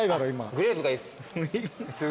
グレープがいいっす。